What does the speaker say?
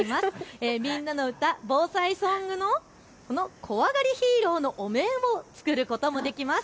みんなのうた、防災ソングのこわがりヒーローのお面を作ることもできます。